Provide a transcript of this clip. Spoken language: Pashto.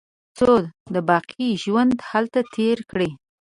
څو د باقي ژوند هلته تېر کړي.